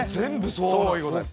そういうことです。